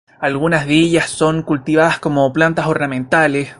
Algunas de ellas son cultivadas como plantas ornamentales.